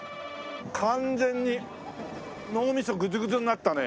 完全に脳みそグツグツになったね。